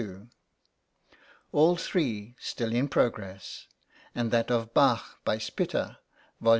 1882) all three still in progress and that of Bach by Spitta (vol.